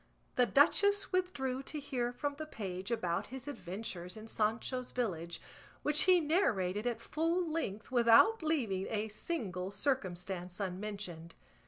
The duchess withdrew to hear from the page about his adventures in Sancho's village, which he narrated at full length without leaving a single circumstance unmentioned.